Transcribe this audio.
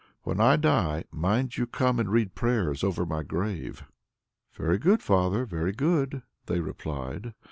When I die, mind you come and read prayers over my grave." "Very good, father, very good," they replied.